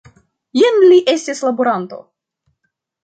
Jen li estis laboranto!